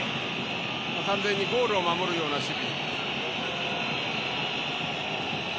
完全にゴールを守るような守備。